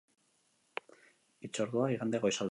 Hitzordua, igande goizaldean.